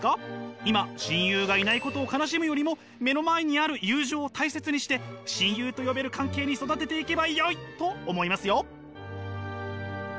今親友がいないことを悲しむよりも目の前にある友情を大切にして親友と呼べる関係に育てていけばよいと思いますよ。